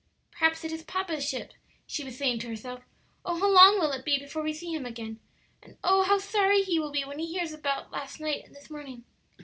"Perhaps it is papa's ship," she was saying to herself. "Oh, how long will it be before we see him again! And oh, how sorry he will be when he hears about last night and this morning!"